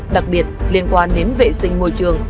đặc biệt liên quan đến vệ sinh môi trường